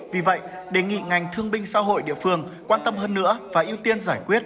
vì vậy đề nghị ngành thương binh xã hội địa phương quan tâm hơn nữa và ưu tiên giải quyết